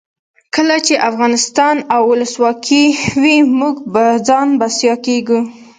کله چې افغانستان کې ولسواکي وي موږ په ځان بسیا کیږو.